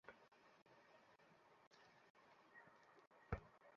সাজাতো আমাদের পাওয়ারই ছিল।